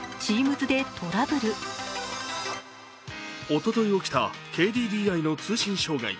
おととい起きたＫＤＤＩの通信障害。